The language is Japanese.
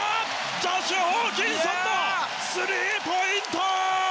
ジョシュ・ホーキンソンのスリーポイント！